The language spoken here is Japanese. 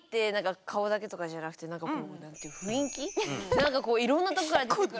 何かこういろんなとこから出てくる。